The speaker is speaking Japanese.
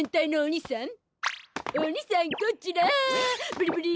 ブリブリ！